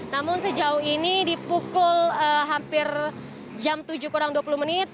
namun sejauh ini di pukul hampir jam tujuh kurang dua puluh menit